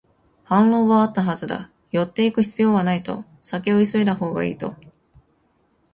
反論はあったはずだ、寄っていく必要はないと、先を急いだほうがいいと